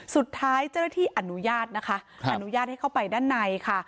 สุดท้ายเจ้าหน้าที่อนุญาตนะคะอนุญาตให้เข้าไปด้านในค่ะ